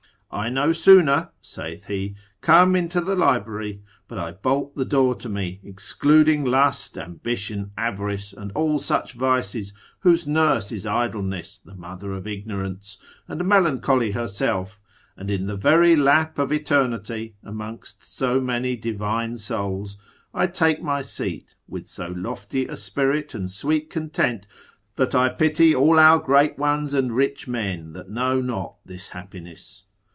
I no sooner (saith he) come into the library, but I bolt the door to me, excluding lust, ambition, avarice, and all such vices, whose nurse is idleness, the mother of ignorance, and melancholy herself, and in the very lap of eternity, amongst so many divine souls, I take my seat, with so lofty a spirit and sweet content, that I pity all our great ones, and rich men that know not this happiness.